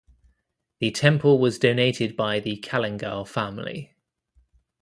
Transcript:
The temple was donated by the Kallingal family.